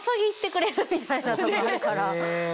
みたいなとこあるから。